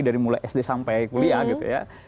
dari mulai sd sampai kuliah gitu ya